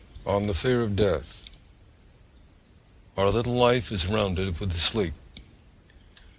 ON THE FEAR OF DEATH And our little life is rounded with a sleep.